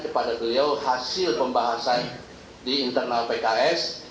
kepada beliau hasil pembahasan di internal pks